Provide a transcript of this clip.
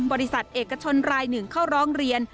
บริษัทเอกชนรายหนึ่งเข้าร้องเรียน